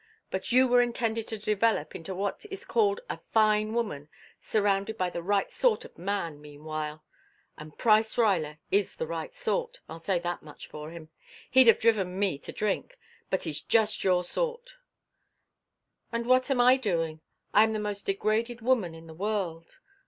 But you were intended to develop into what is called a 'fine woman,' surrounded by the right sort of man meanwhile. And Price Ruyler is the right sort. I'll say that much for him. He'd have driven me to drink, but he's just your sort " "And what am I doing? I am the most degraded woman in the world."